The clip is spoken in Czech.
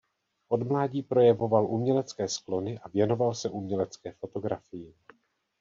Od mládí projevoval umělecké sklony a věnoval se umělecké fotografii.